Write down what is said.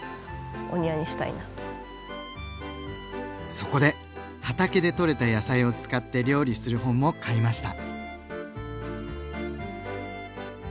そこで畑でとれた野菜を使って料理する本も買いました。